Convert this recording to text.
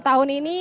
lima tahun ini